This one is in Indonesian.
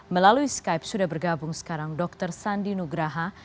melalui skype sudah bergabung sekarang dr sandi nugraha